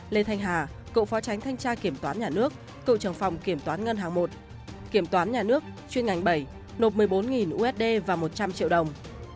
lê thanh hà cựu phó tránh thanh tra kiểm toán nhà nước cựu trưởng phòng kiểm toán ngân hàng một kiểm toán nhà nước chuyên ngành bảy nộp một mươi bốn usd và một trăm linh triệu đồng